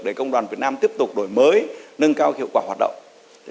để công đoàn việt nam tiếp tục đổi mới nâng cao hiệu quả hoạt động